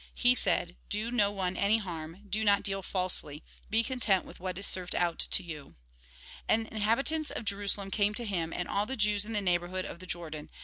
" He said :" Do no one any harm, do not deal falsely ; be content with what is served out to you." And inhabitants of Jerusalem came to him, and all the Jews in the neighbourhood of the Jordan.